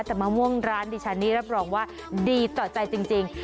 แต่มะม่วงร้านดิฉันนี่รับรองว่าดีต่อใจจริง